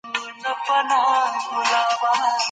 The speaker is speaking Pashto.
موږ باید په خپلو منځو کي حق وپېژنو.